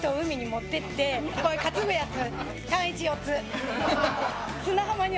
女性：こういう担ぐやつ。